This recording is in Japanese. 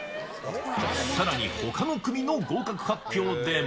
さらにほかの組の合格発表でも。